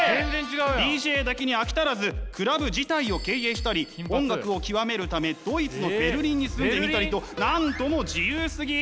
ＤＪだけに飽き足らずクラブ自体を経営したり音楽を極めるためドイツのベルリンに住んでみたりとなんとも自由すぎ！